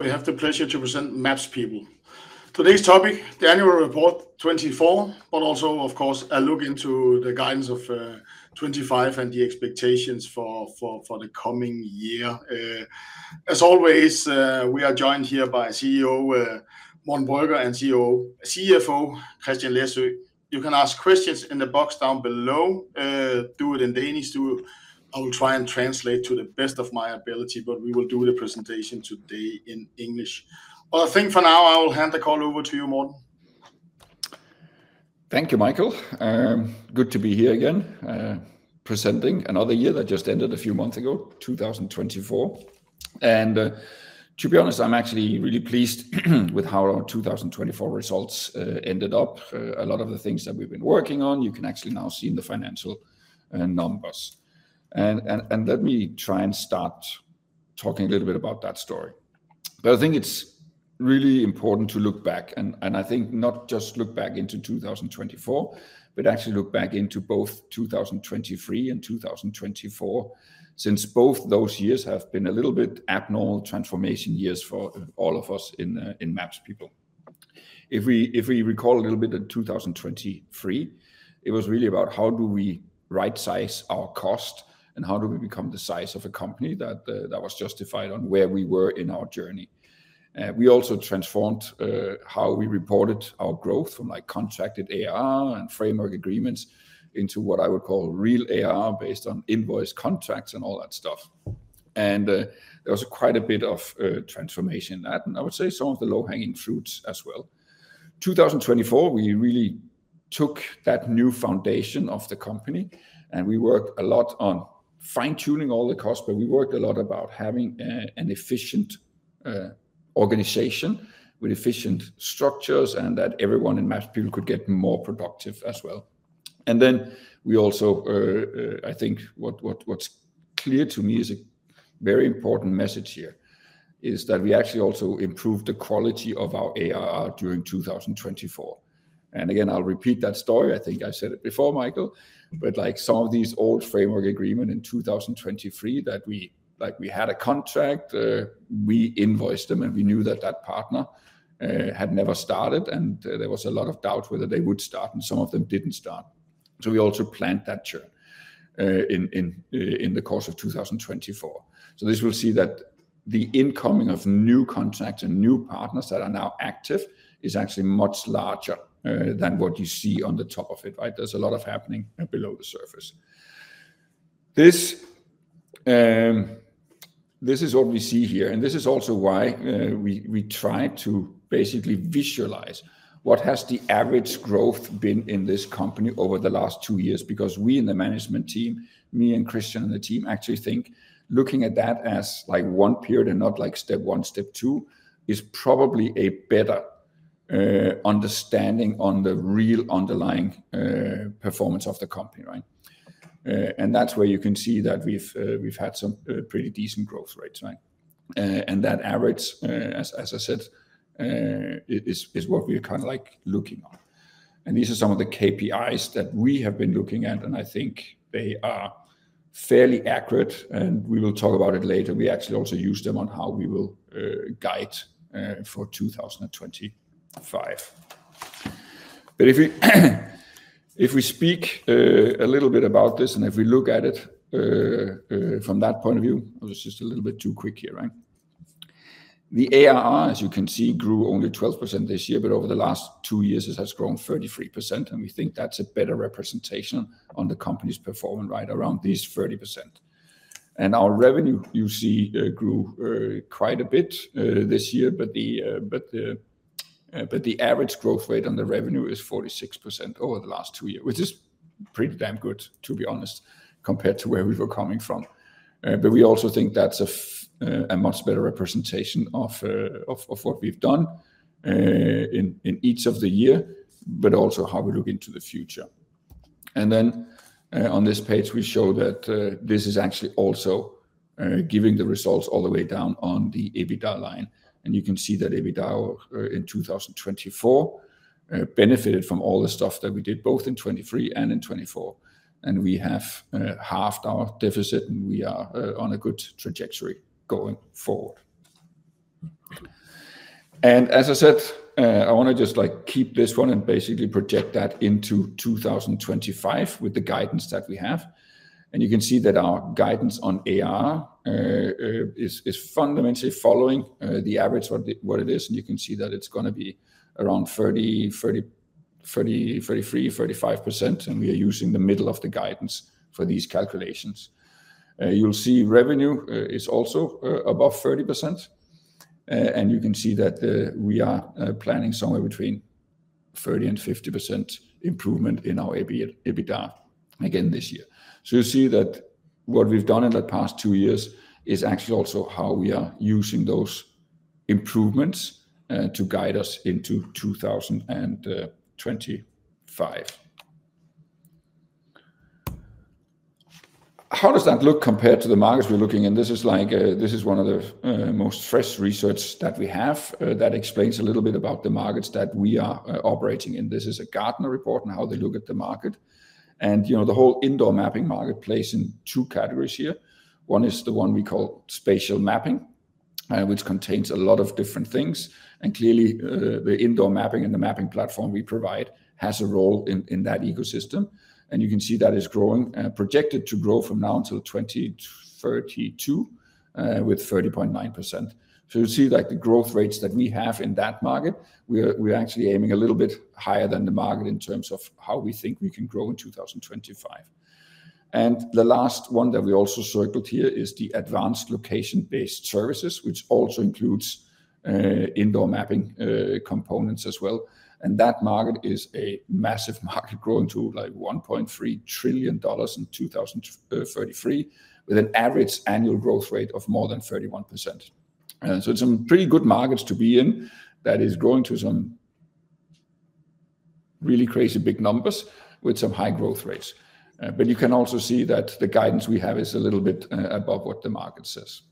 I have the pleasure to present MapsPeople. Today's topic, the annual report 2024, but also, of course, a look into the guidance of 2025 and the expectations for the coming year. As always, we are joined here by CEO, Morten Brøgger, and CFO, Christian Læsøe. You can ask questions in the box down below. Do it in Danish too. I will try and translate to the best of my ability, but we will do the presentation today in English. I think for now, I will hand the call over to you, Morten. Thank you, Michael. Good to be here again presenting another year that just ended a few months ago, 2024. To be honest, I'm actually really pleased with how our 2024 results ended up. A lot of the things that we've been working on, you can actually now see in the financial numbers. Let me try and start talking a little bit about that story. I think it's really important to look back, and I think not just look back into 2024, but actually look back into both 2023 and 2024, since both those years have been a little bit abnormal transformation years for all of us in MapsPeople. If we recall a little bit in 2023, it was really about how do we right-size our cost and how do we become the size of a company that was justified on where we were in our journey. We also transformed how we reported our growth from contracted ARR and framework agreements into what I would call real ARR based on invoice contracts and all that stuff. There was quite a bit of transformation in that, and I would say some of the low-hanging fruits as well. In 2024, we really took that new foundation of the company, and we worked a lot on fine-tuning all the costs, but we worked a lot about having an efficient organization with efficient structures and that everyone in MapsPeople could get more productive as well. I think what's clear to me is a very important message here is that we actually also improved the quality of our ARR during 2024. Again, I'll repeat that story. I think I said it before, Michael, but like some of these old framework agreements in 2023 that we had a contract, we invoiced them, and we knew that that partner had never started, and there was a lot of doubt whether they would start, and some of them did not start. We also planned that churn in the course of 2024. You will see that the incoming of new contracts and new partners that are now active is actually much larger than what you see on the top of it, right? There is a lot happening below the surface. This is what we see here, and this is also why we try to basically visualize what has the average growth been in this company over the last two years, because we in the management team, me and Christian and the team actually think looking at that as one period and not like step one, step two is probably a better understanding on the real underlying performance of the company, right? That is where you can see that we've had some pretty decent growth rates, right? That average, as I said, is what we're kind of like looking at. These are some of the KPIs that we have been looking at, and I think they are fairly accurate, and we will talk about it later. We actually also use them on how we will guide for 2025. If we speak a little bit about this and if we look at it from that point of view, it was just a little bit too quick here, right? The ARR, as you can see, grew only 12% this year, but over the last two years, it has grown 33%, and we think that's a better representation on the company's performance right around these 30%. Our revenue, you see, grew quite a bit this year, but the average growth rate on the revenue is 46% over the last two years, which is pretty damn good, to be honest, compared to where we were coming from. We also think that's a much better representation of what we've done in each of the years, but also how we look into the future. On this page, we show that this is actually also giving the results all the way down on the EBITDA line. You can see that EBITDA in 2024 benefited from all the stuff that we did both in 2023 and in 2024. We have halved our deficit, and we are on a good trajectory going forward. As I said, I want to just keep this one and basically project that into 2025 with the guidance that we have. You can see that our guidance on ARR is fundamentally following the average what it is. You can see that it is going to be around 33-35%, and we are using the middle of the guidance for these calculations. You'll see revenue is also above 30%, and you can see that we are planning somewhere between 30-50% improvement in our EBITDA again this year. You see that what we've done in the past two years is actually also how we are using those improvements to guide us into 2025. How does that look compared to the markets we're looking in? This is one of the most fresh research that we have that explains a little bit about the markets that we are operating in. This is a Gartner report on how they look at the market. The whole indoor mapping market plays in two categories here. One is the one we call spatial mapping, which contains a lot of different things. Clearly, the indoor mapping and the mapping platform we provide has a role in that ecosystem. You can see that it's growing, projected to grow from now until 2032 with 30.9%. You see the growth rates that we have in that market, we're actually aiming a little bit higher than the market in terms of how we think we can grow in 2025. The last one that we also circled here is the advanced location-based services, which also includes indoor mapping components as well. That market is a massive market growing to $1.3 trillion in 2033 with an average annual growth rate of more than 31%. It's some pretty good markets to be in that is growing to some really crazy big numbers with some high growth rates. You can also see that the guidance we have is a little bit above what the market says.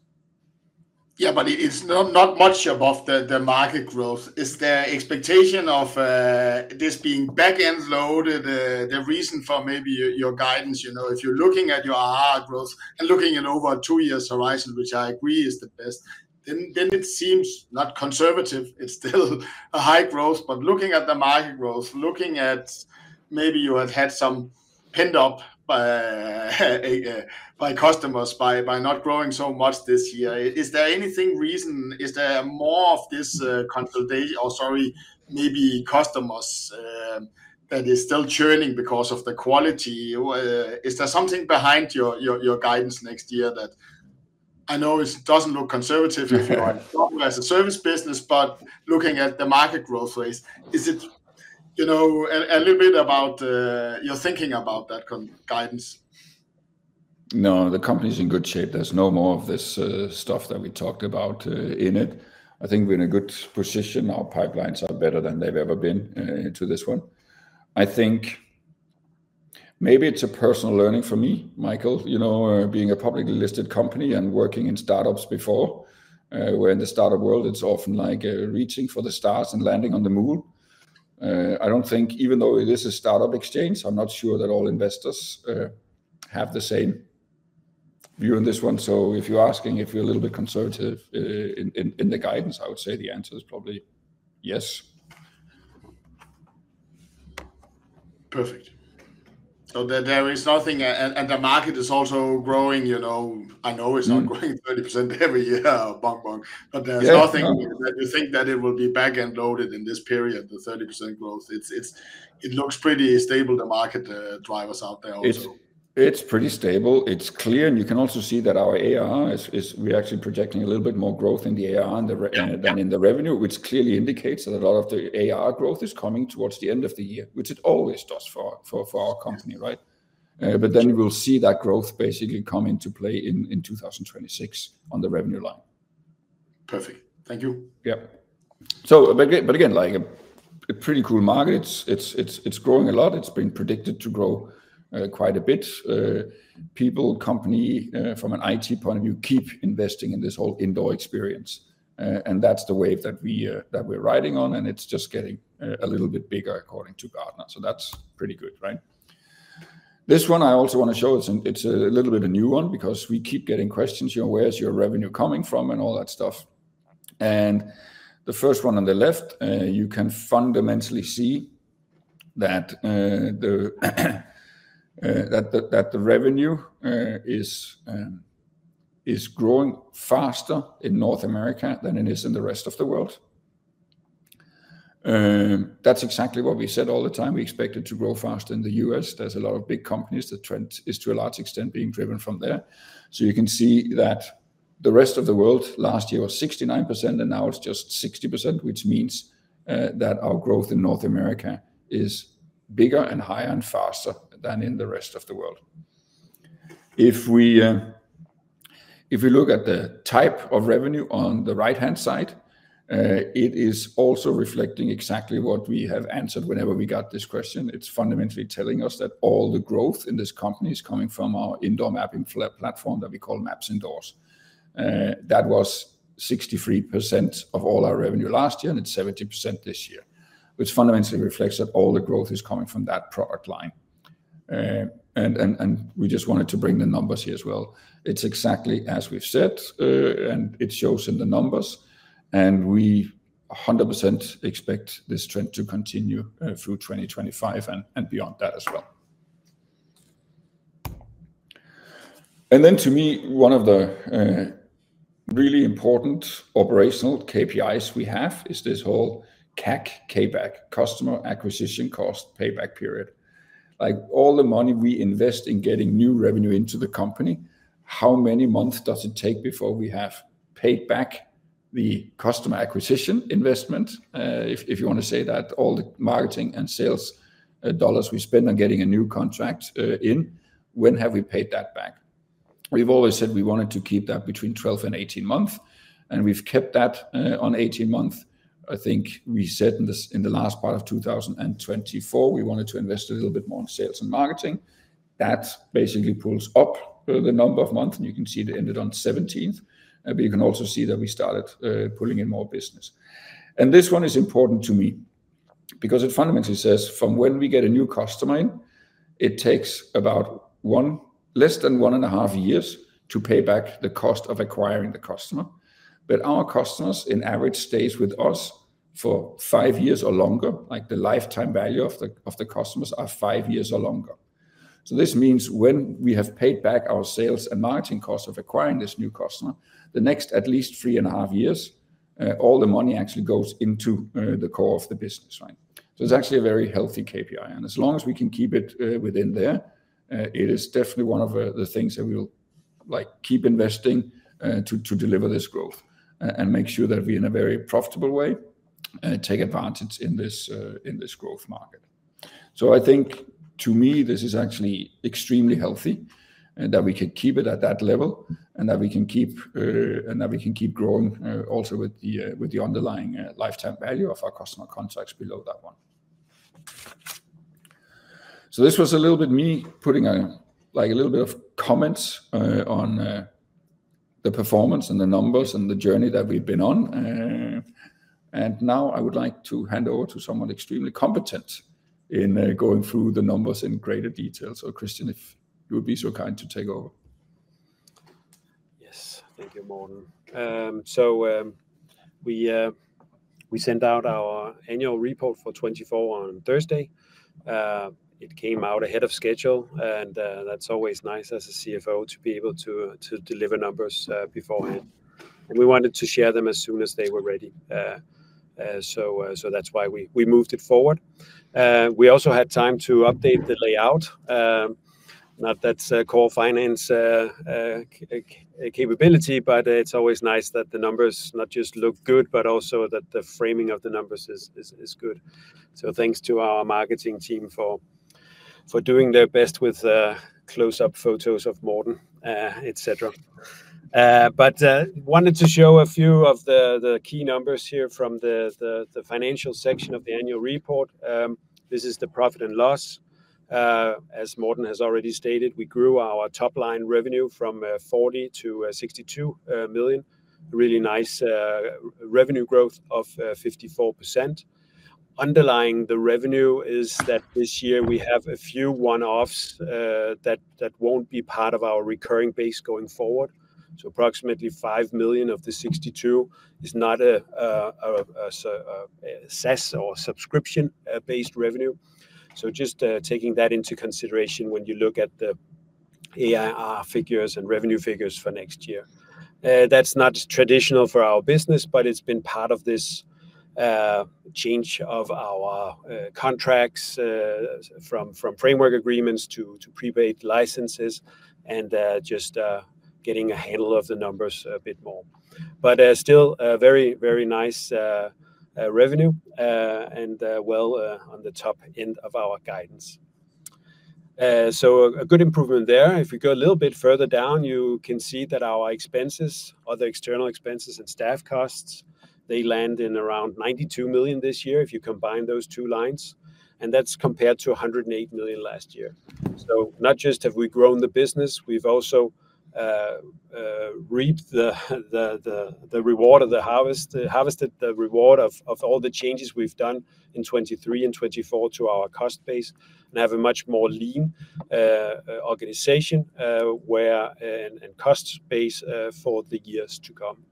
Yeah, but it's not much above the market growth. Is the expectation of this being back-end loaded the reason for maybe your guidance? If you're looking at your ARR growth and looking at over a two-year horizon, which I agree is the best, then it seems not conservative. It's still a high growth, but looking at the market growth, looking at maybe you have had some pent-up by customers by not growing so much this year, is there anything reason? Is there more of this consolidation or, sorry, maybe customers that are still churning because of the quality? Is there something behind your guidance next year that I know it doesn't look conservative if you are a service business, but looking at the market growth rates, is it a little bit about your thinking about that guidance? No, the company is in good shape. There is no more of this stuff that we talked about in it. I think we are in a good position. Our pipelines are better than they have ever been to this one. I think maybe it is a personal learning for me, Michael, being a publicly listed company and working in startups before. We are in the startup world. It is often like reaching for the stars and landing on the moon. I do not think, even though it is a startup exchange, I am not sure that all investors have the same view on this one. If you are asking if you are a little bit conservative in the guidance, I would say the answer is probably yes. Perfect. There is nothing, and the market is also growing. I know it's not growing 30% every year, bong bong, but there's nothing that you think that it will be back-end loaded in this period, the 30% growth. It looks pretty stable, the market drivers out there also. It's pretty stable. It's clear. You can also see that our ARR, we're actually projecting a little bit more growth in the ARR than in the revenue, which clearly indicates that a lot of the ARR growth is coming towards the end of the year, which it always does for our company, right? You will see that growth basically come into play in 2026 on the revenue line. Perfect. Thank you. Yeah. Again, a pretty cool market. It's growing a lot. It's been predicted to grow quite a bit. People, company from an IT point of view, keep investing in this whole indoor experience. That's the wave that we're riding on, and it's just getting a little bit bigger according to Gartner. That's pretty good, right? This one I also want to show, it's a little bit of a new one because we keep getting questions, where's your revenue coming from and all that stuff. The first one on the left, you can fundamentally see that the revenue is growing faster in North America than it is in the rest of the world. That's exactly what we said all the time. We expect it to grow faster in the U.S. There's a lot of big companies. The trend is to a large extent being driven from there. You can see that the rest of the world last year was 69%, and now it's just 60%, which means that our growth in North America is bigger and higher and faster than in the rest of the world. If we look at the type of revenue on the right-hand side, it is also reflecting exactly what we have answered whenever we got this question. It's fundamentally telling us that all the growth in this company is coming from our indoor mapping platform that we call MapsIndoors. That was 63% of all our revenue last year, and it's 70% this year, which fundamentally reflects that all the growth is coming from that product line. We just wanted to bring the numbers here as well. It's exactly as we've said, and it shows in the numbers, and we 100% expect this trend to continue through 2025 and beyond that as well. To me, one of the really important operational KPIs we have is this whole CAC, payback, customer acquisition cost payback period. All the money we invest in getting new revenue into the company, how many months does it take before we have paid back the customer acquisition investment, if you want to say that, all the marketing and sales dollars we spend on getting a new contract in, when have we paid that back? We've always said we wanted to keep that between 12 and 18 months, and we've kept that on 18 months. I think we said in the last part of 2024, we wanted to invest a little bit more in sales and marketing. That basically pulls up the number of months, and you can see it ended on 17th, but you can also see that we started pulling in more business. This one is important to me because it fundamentally says from when we get a new customer in, it takes about less than one and a half years to pay back the cost of acquiring the customer. Our customers in average stay with us for five years or longer, like the lifetime value of the customers are five years or longer. This means when we have paid back our sales and marketing cost of acquiring this new customer, the next at least three and a half years, all the money actually goes into the core of the business, right? It is actually a very healthy KPI. As long as we can keep it within there, it is definitely one of the things that we'll keep investing to deliver this growth and make sure that we in a very profitable way take advantage in this growth market. I think to me, this is actually extremely healthy that we can keep it at that level and that we can keep growing also with the underlying lifetime value of our customer contracts below that one. This was a little bit me putting a little bit of comments on the performance and the numbers and the journey that we've been on. Now I would like to hand over to someone extremely competent in going through the numbers in greater detail. Christian, if you would be so kind to take over. Yes, thank you, Morten. We sent out our annual report for 2024 on Thursday. It came out ahead of schedule, and that's always nice as a CFO to be able to deliver numbers beforehand. We wanted to share them as soon as they were ready. That's why we moved it forward. We also had time to update the layout. Not that it's a core finance capability, but it's always nice that the numbers not just look good, but also that the framing of the numbers is good. Thanks to our marketing team for doing their best with close-up photos of Morten, etc. I wanted to show a few of the key numbers here from the financial section of the annual report. This is the profit and loss. As Morten has already stated, we grew our top-line revenue from 40 million to 62 million. Really nice revenue growth of 54%. Underlying the revenue is that this year we have a few one-offs that will not be part of our recurring base going forward. So approximately 5 million of the 62 million is not a SaaS or subscription-based revenue. Just taking that into consideration when you look at the ARR figures and revenue figures for next year. That is not traditional for our business, but it has been part of this change of our contracts from framework agreements to prepaid licenses and just getting a handle of the numbers a bit more. Still very, very nice revenue and well on the top end of our guidance. A good improvement there. If we go a little bit further down, you can see that our expenses, other external expenses and staff costs, they land in around 92 million this year if you combine those two lines. That is compared to 108 million last year. Not just have we grown the business, we have also reaped the reward of the harvest, harvested the reward of all the changes we have done in 2023 and 2024 to our cost base and have a much more lean organization and cost base for the years to come.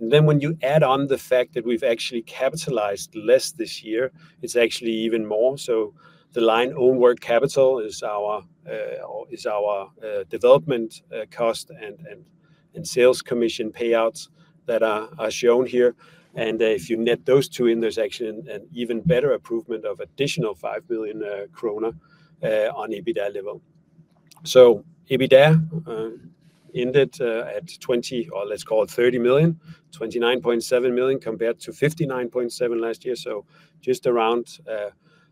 When you add on the fact that we have actually capitalized less this year, it is actually even more. The line own work capital is our development cost and sales commission payouts that are shown here. If you net those two in, there is actually an even better improvement of additional 5 million krone on EBITDA level. EBITDA ended at 30 million, 29.7 million compared to 59.7 million last year. Just around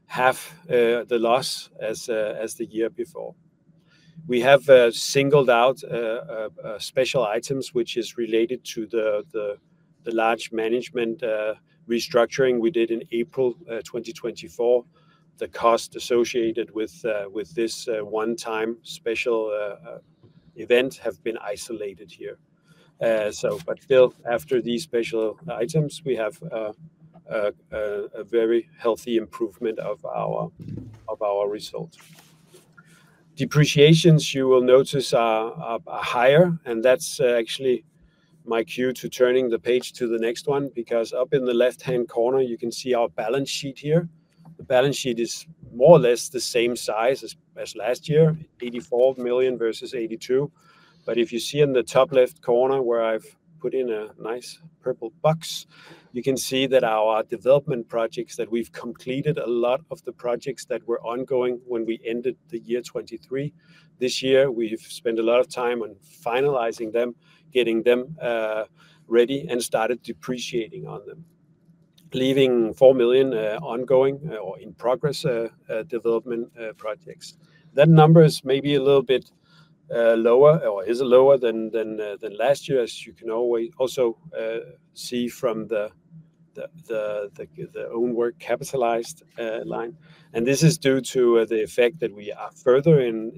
half the loss as the year before. We have singled out special items, which is related to the large management restructuring we did in April 2024. The cost associated with this one-time special event has been isolated here. Still, after these special items, we have a very healthy improvement of our result. Depreciations, you will notice, are higher, and that's actually my cue to turning the page to the next one because up in the left-hand corner, you can see our balance sheet here. The balance sheet is more or less the same size as last year, 84 million versus 82 million. If you see in the top left corner where I've put in a nice purple box, you can see that our development projects that we've completed, a lot of the projects that were ongoing when we ended the year 2023. This year, we've spent a lot of time on finalizing them, getting them ready and started depreciating on them, leaving 4 million ongoing or in progress development projects. That number is maybe a little bit lower or is lower than last year, as you can also see from the owned work capitalized line. This is due to the effect that we are further in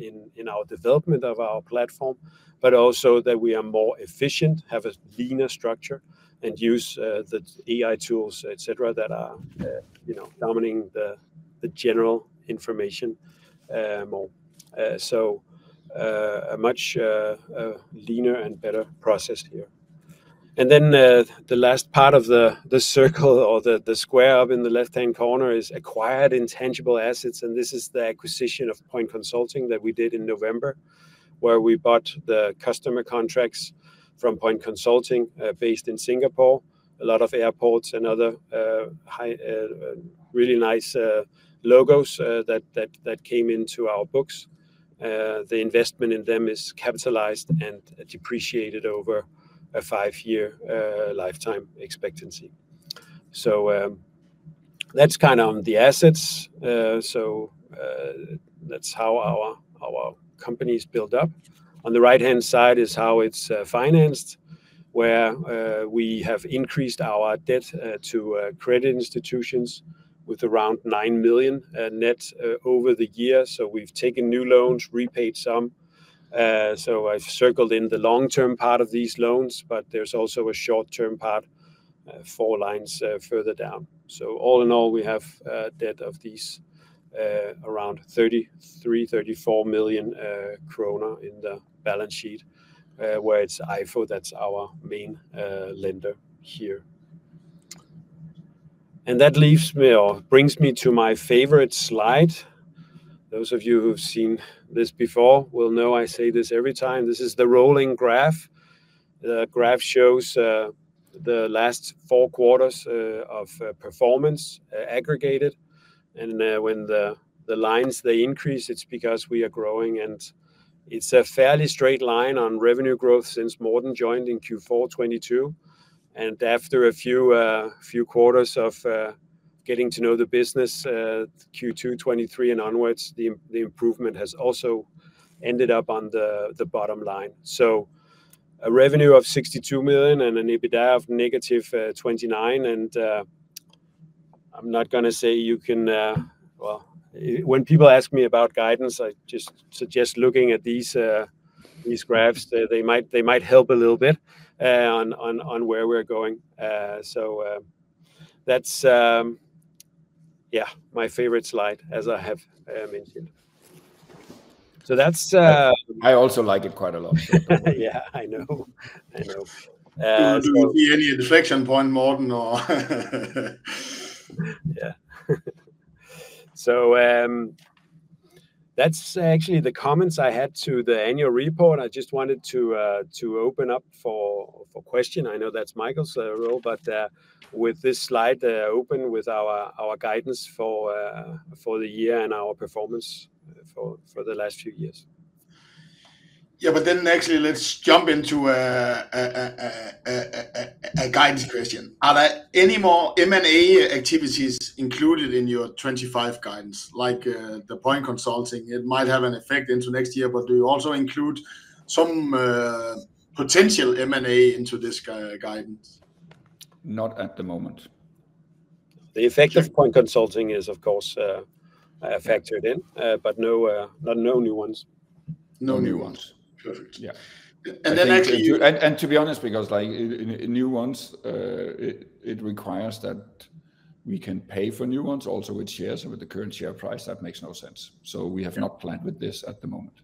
our development of our platform, but also that we are more efficient, have a leaner structure and use the AI tools, etc., that are dominating the general information more. A much leaner and better process here. The last part of the circle or the square up in the left-hand corner is acquired intangible assets. This is the acquisition of Point Consulting that we did in November, where we bought the customer contracts from Point Consulting based in Singapore, a lot of airports and other really nice logos that came into our books. The investment in them is capitalized and depreciated over a five-year lifetime expectancy. That is kind of the assets. That is how our company is built up. On the right-hand side is how it is financed, where we have increased our debt to credit institutions with around 9 million net over the year. We have taken new loans, repaid some. I have circled in the long-term part of these loans, but there is also a short-term part, four lines further down. All in all, we have debt of around 33 million-34 million krone in the balance sheet, where it is EIFO, that is our main lender here. That leaves me or brings me to my favorite slide. Those of you who've seen this before will know I say this every time. This is the rolling graph. The graph shows the last four quarters of performance aggregated. When the lines, they increase, it's because we are growing. It's a fairly straight line on revenue growth since Morten joined in Q4 2022. After a few quarters of getting to know the business, Q2 2023 and onwards, the improvement has also ended up on the bottom line. A revenue of 62 million and an EBITDA of -29 million. I'm not going to say you can, when people ask me about guidance, I just suggest looking at these graphs. They might help a little bit on where we're going. That's my favorite slide, as I have mentioned. That's it. I also like it quite a lot. Yeah, I know. Any inflection point, Morten? Yeah. So that's actually the comments I had to the annual report. I just wanted to open up for question. I know that's Michael's role, but with this slide open with our guidance for the year and our performance for the last few years. Yeah, but then actually, let's jump into a guidance question. Are there any more M&A activities included in your 2025 guidance, like the Point Consulting? It might have an effect into next year, but do you also include some potential M&A into this guidance? Not at the moment. The effect of Point Consulting is, of course, factored in, but not new ones. No new ones. Perfect. Yeah. To be honest, because new ones, it requires that we can pay for new ones also with shares and with the current share price. That makes no sense. We have not planned with this at the moment.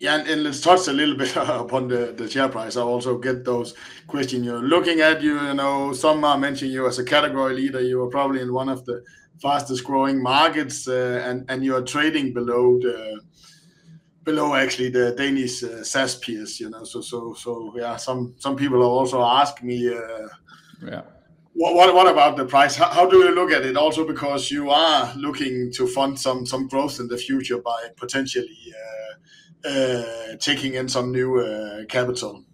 Yeah, let's touch a little bit upon the share price. I also get those questions. You're looking at, you know, some are mentioning you as a category leader. You are probably in one of the fastest growing markets, and you are trading below actually the Danish SaaS peers. Yeah, some people are also asking me, what about the price? How do you look at it? Also because you are looking to fund some growth in the future by potentially taking in some new capital.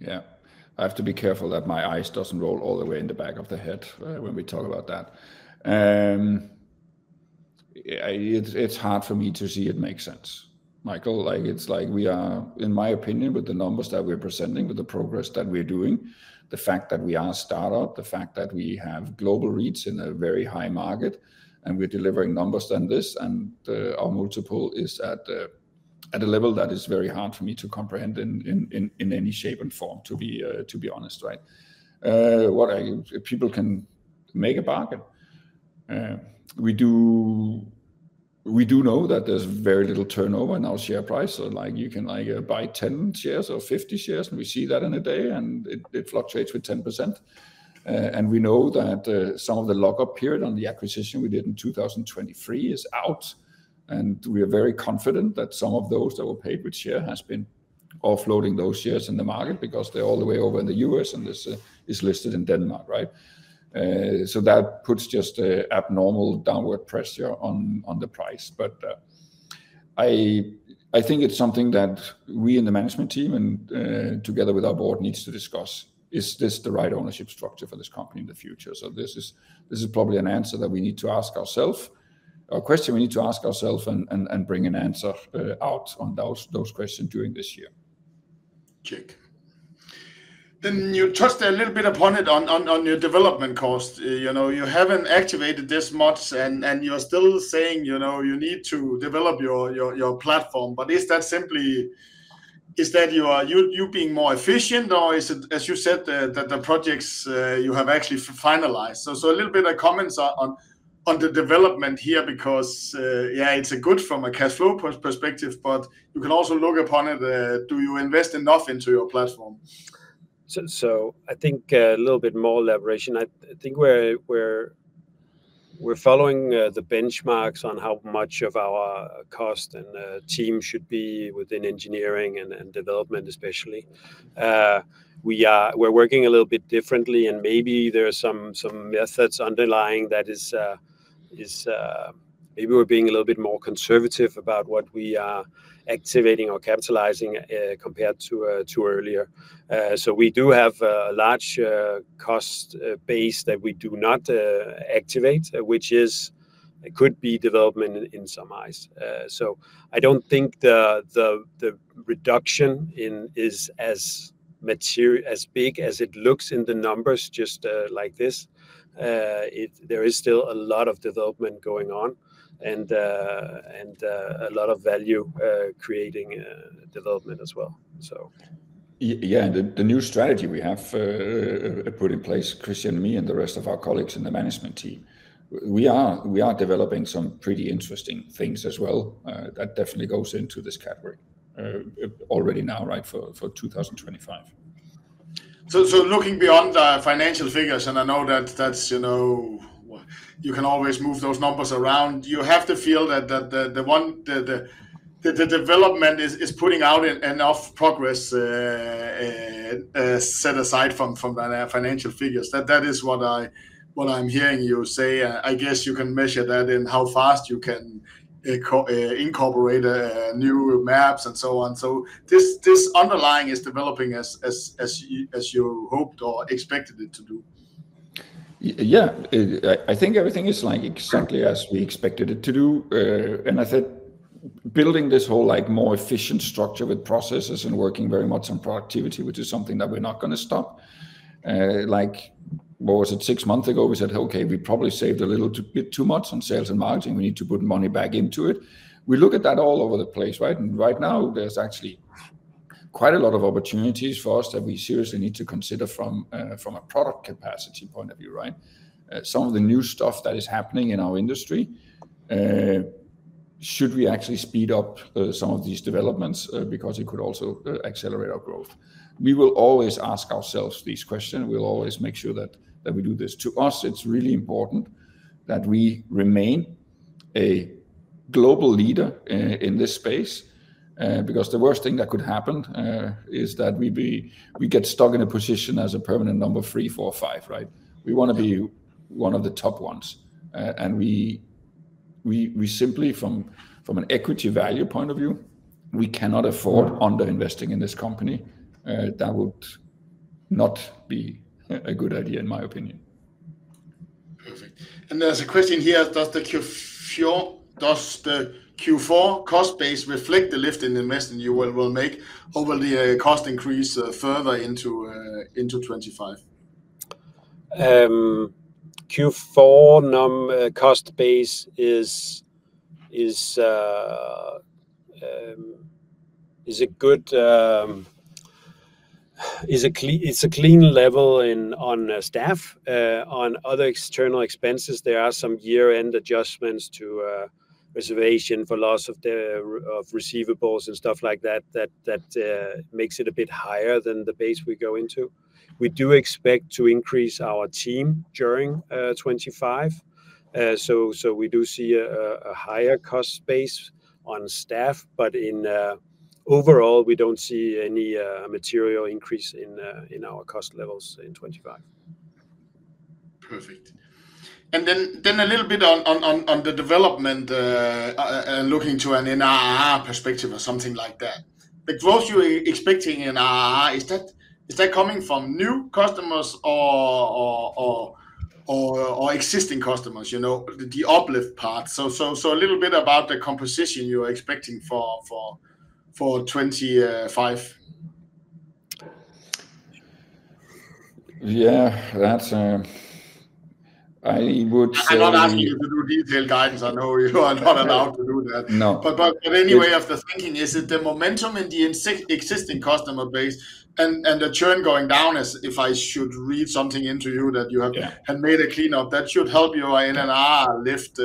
Yeah, I have to be careful that my eyes don't roll all the way in the back of the head when we talk about that. It's hard for me to see it make sense, Michael. It's like we are, in my opinion, with the numbers that we're presenting, with the progress that we're doing, the fact that we are a startup, the fact that we have global reach in a very high market, and we're delivering numbers like this, and our multiple is at a level that is very hard for me to comprehend in any shape and form, to be honest, right? People can make a bargain. We do know that there's very little turnover in our share price. You can buy 10 shares or 50 shares, and we see that in a day, and it fluctuates with 10%. We know that some of the lockup period on the acquisition we did in 2023 is out. We are very confident that some of those that were paid with share have been offloading those shares in the market because they're all the way over in the U.S. and it is listed in Denmark, right? That puts just abnormal downward pressure on the price. I think it's something that we in the management team and together with our board need to discuss. Is this the right ownership structure for this company in the future? This is probably a question we need to ask ourselves and bring an answer out on those questions during this year. Check. You touched a little bit upon it on your development cost. You have not activated this much, and you are still saying you need to develop your platform. Is that simply you being more efficient, or is it, as you said, that the projects you have actually finalized? A little bit of comments on the development here because, yeah, it is good from a cash flow perspective, but you can also look upon it. Do you invest enough into your platform? I think a little bit more elaboration. I think we're following the benchmarks on how much of our cost and team should be within engineering and development, especially. We're working a little bit differently, and maybe there are some methods underlying that is maybe we're being a little bit more conservative about what we are activating or capitalizing compared to earlier. We do have a large cost base that we do not activate, which could be development in some eyes. I don't think the reduction is as big as it looks in the numbers just like this. There is still a lot of development going on and a lot of value creating development as well. Yeah, the new strategy we have put in place, Christian and me and the rest of our colleagues in the management team, we are developing some pretty interesting things as well. That definitely goes into this category already now, right, for 2025. Looking beyond the financial figures, and I know that you can always move those numbers around, you have to feel that the development is putting out enough progress set aside from financial figures. That is what I'm hearing you say. I guess you can measure that in how fast you can incorporate new maps and so on. This underlying is developing as you hoped or expected it to do? Yeah, I think everything is exactly as we expected it to do. I said building this whole more efficient structure with processes and working very much on productivity, which is something that we're not going to stop. Like, what was it, six months ago, we said, okay, we probably saved a little bit too much on sales and marketing. We need to put money back into it. We look at that all over the place, right? Right now, there's actually quite a lot of opportunities for us that we seriously need to consider from a product capacity point of view, right? Some of the new stuff that is happening in our industry, should we actually speed up some of these developments because it could also accelerate our growth? We will always ask ourselves these questions. We'll always make sure that we do this. To us, it's really important that we remain a global leader in this space because the worst thing that could happen is that we get stuck in a position as a permanent number three, four, five, right? We want to be one of the top ones. We simply, from an equity value point of view, cannot afford under-investing in this company. That would not be a good idea, in my opinion. Perfect. There is a question here. Does the Q4 cost base reflect the lift in investment you will make over the cost increase further into 2025? Q4 cost base is a good, it's a clean level on staff. On other external expenses, there are some year-end adjustments to reservation for loss of receivables and stuff like that that makes it a bit higher than the base we go into. We do expect to increase our team during 2025. We do see a higher cost base on staff, but overall, we don't see any material increase in our cost levels in 2025. Perfect. And then a little bit on the development and looking to an NRR perspective or something like that. The growth you're expecting in NRR, is that coming from new customers or existing customers, the uplift part? So a little bit about the composition you're expecting for 2025. Yeah, that's a I would say. I'm not asking you to do detailed guidance. I know you are not allowed to do that. No. Anyway, after thinking, is it the momentum in the existing customer base and the churn going down? If I should read something into you that you have made a cleanup, that should help you in an NRR lift.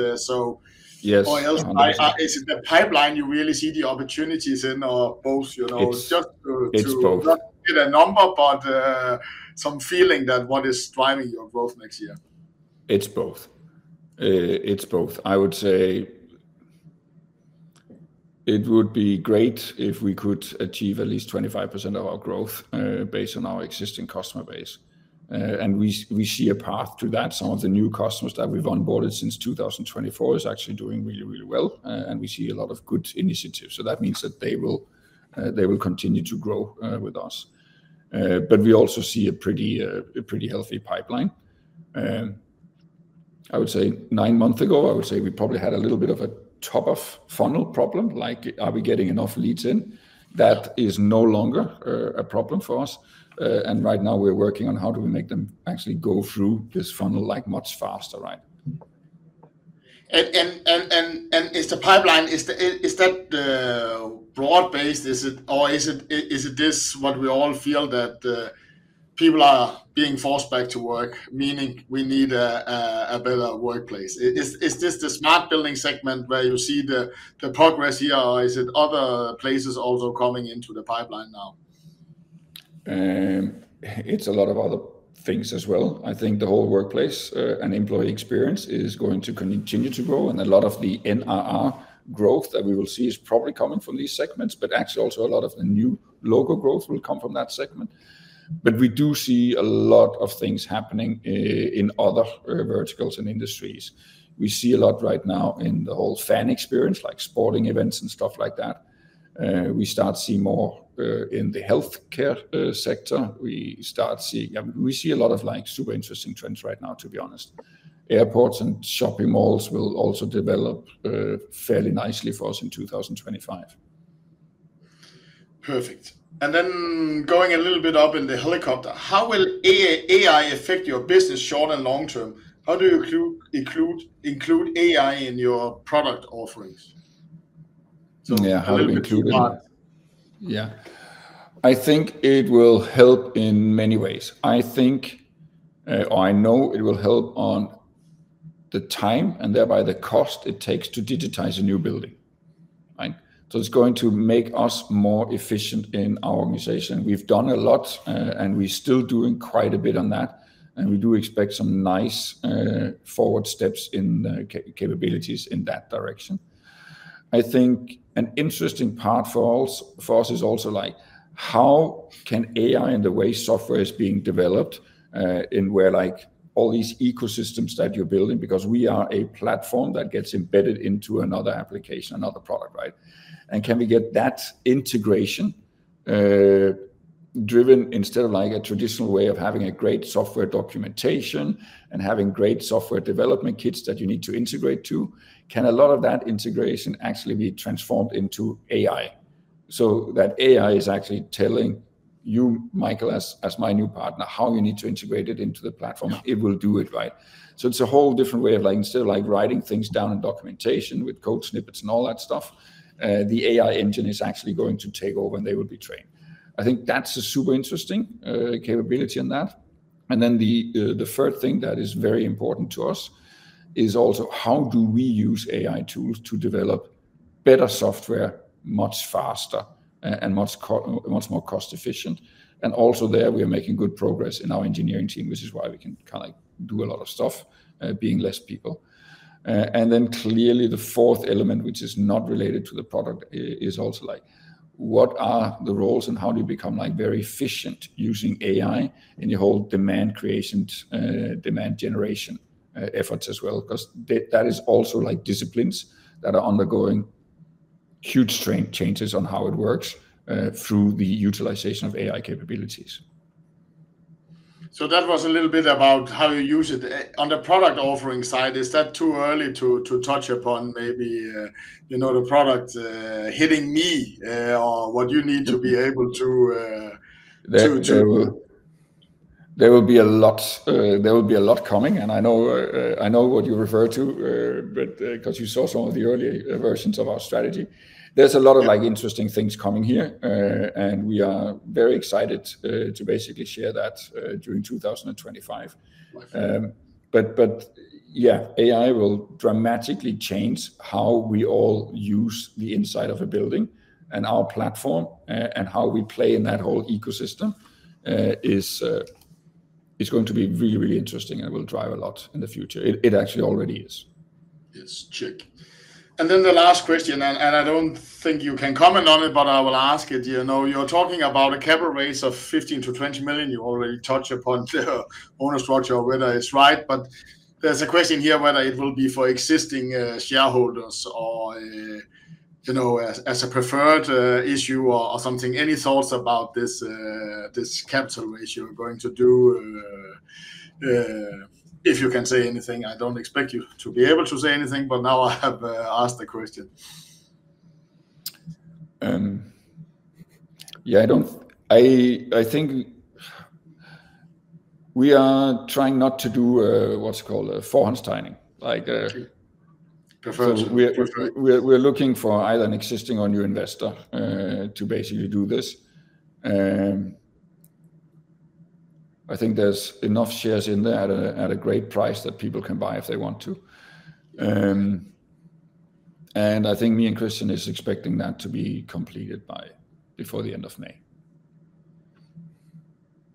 Yes. Is it the pipeline you really see the opportunities in or both? It's both. Just to not get a number, but some feeling that what is driving your growth next year? It's both. It's both. I would say it would be great if we could achieve at least 25% of our growth based on our existing customer base. We see a path to that. Some of the new customers that we've onboarded since 2024 are actually doing really, really well. We see a lot of good initiatives. That means that they will continue to grow with us. We also see a pretty healthy pipeline. I would say nine months ago, I would say we probably had a little bit of a top-of-funnel problem, like are we getting enough leads in? That is no longer a problem for us. Right now, we're working on how do we make them actually go through this funnel much faster, right? Is the pipeline, is that the broad base? Or is it this what we all feel that people are being forced back to work, meaning we need a better workplace? Is this the smart building segment where you see the progress here, or is it other places also coming into the pipeline now? It's a lot of other things as well. I think the whole workplace and employee experience is going to continue to grow. A lot of the NRR growth that we will see is probably coming from these segments, but actually also a lot of the new logo growth will come from that segment. We do see a lot of things happening in other verticals and industries. We see a lot right now in the whole fan experience, like sporting events and stuff like that. We start seeing more in the healthcare sector. We see a lot of super interesting trends right now, to be honest. Airports and shopping malls will also develop fairly nicely for us in 2025. Perfect. Going a little bit up in the helicopter, how will AI affect your business short and long term? How do you include AI in your product offerings? Yeah, how do we include it? Yeah, I think it will help in many ways. I think, or I know it will help on the time and thereby the cost it takes to digitize a new building. It is going to make us more efficient in our organization. We've done a lot, and we're still doing quite a bit on that. We do expect some nice forward steps in capabilities in that direction. I think an interesting part for us is also how can AI and the way software is being developed in where all these ecosystems that you're building, because we are a platform that gets embedded into another application, another product, right? Can we get that integration driven instead of a traditional way of having a great software documentation and having great software development kits that you need to integrate to? Can a lot of that integration actually be transformed into AI? So that AI is actually telling you, Michael, as my new partner, how you need to integrate it into the platform. It will do it, right? It is a whole different way of instead of writing things down in documentation with code snippets and all that stuff, the AI engine is actually going to take over and they will be trained. I think that's a super interesting capability in that. The third thing that is very important to us is also how do we use AI tools to develop better software much faster and much more cost-efficient? Also there, we are making good progress in our engineering team, which is why we can kind of do a lot of stuff being less people. Clearly the fourth element, which is not related to the product, is also what are the roles and how do you become very efficient using AI in your whole demand creation, demand generation efforts as well? Because that is also disciplines that are undergoing huge changes on how it works through the utilization of AI capabilities. That was a little bit about how you use it. On the product offering side, is that too early to touch upon maybe the product hitting me or what you need to be able to? There will be a lot. There will be a lot coming. I know what you refer to because you saw some of the early versions of our strategy. There is a lot of interesting things coming here. We are very excited to basically share that during 2025. AI will dramatically change how we all use the inside of a building and our platform and how we play in that whole ecosystem is going to be really, really interesting and will drive a lot in the future. It actually already is. Yes, check. Then the last question, and I do not think you can comment on it, but I will ask it. You are talking about a capital raise of 15-20 million. You already touched upon the owner structure or whether it is right. There is a question here whether it will be for existing shareholders or as a preferred issue or something. Any thoughts about this capital raise going to do? If you can say anything, I do not expect you to be able to say anything, but now I have asked the question. Yeah, I think we are trying not to do what's called a forehand time. We are looking for either an existing or new investor to basically do this. I think there's enough shares in there at a great price that people can buy if they want to. I think me and Christian Læsøe are expecting that to be completed by before the end of May.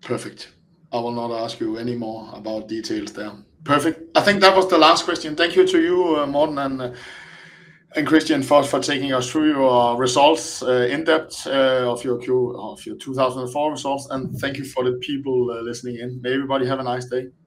Perfect. I will not ask you any more about details there. Perfect. I think that was the last question. Thank you to you, Morten and Christian, for taking us through your results in depth of your 2024 results. And thank you for the people listening in. May everybody have a nice day.